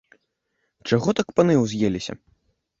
Чаго так паны ўз'еліся?